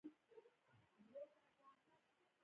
باور د انسان د اړیکو ریښه ده.